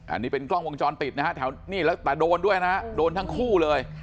อันนี้เป็นกล้องวงจรติดแต่โดนด้วยโดนทั้งผู้เลย